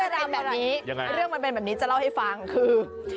เรื่องมันเป็นแบบนี้จะเล่าให้ฟังคือ